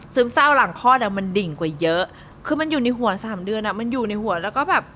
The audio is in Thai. เศร้าหลังคลอดอ่ะมันดิ่งกว่าเยอะคือมันอยู่ในหัวสามเดือนอ่ะมันอยู่ในหัวแล้วก็แบบ